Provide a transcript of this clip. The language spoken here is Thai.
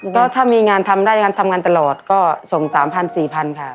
ก็ถ้ามีงานทำได้งานทำงานตลอดก็ส่งสามพันสี่พันค่ะ